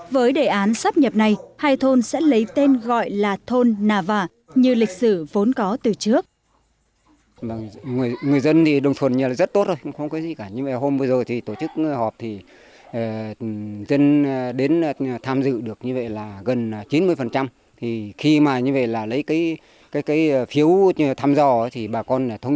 với đề án xác nhập này hai thôn sẽ lấy tên gọi là thôn nà vả như lịch sử vốn có từ trước